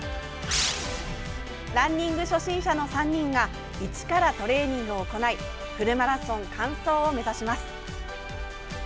ランニング初心者の３人が一からトレーニングを行いフルマラソン完走を目指します。